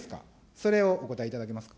それをお答えいただけますか。